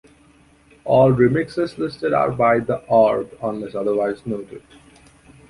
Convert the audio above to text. All remixes listed are by The Orb unless otherwise noted.